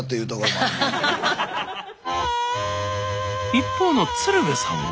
一方の鶴瓶さんは？